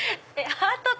ハートで。